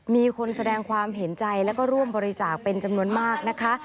มีคนแสดงความเห็นใจแล้วก็ร่วมบริจาคเป็นจำนวนมากนะคะ